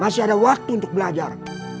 masih ada waktu untuk belajar